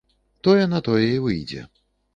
Тое на тое й выйдзе.